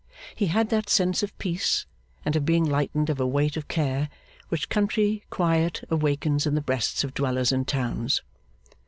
He had that sense of peace, and of being lightened of a weight of care, which country quiet awakens in the breasts of dwellers in towns.